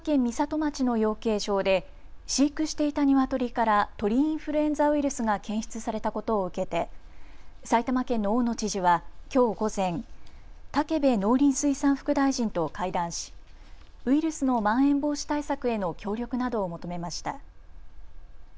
町の養鶏場で飼育していたニワトリから鳥インフルエンザウイルスが検出されたことを受けて埼玉県の大野知事はきょう午前、武部農林水産副大臣と会談しウイルスのまん延防止対策への協力などを求めました。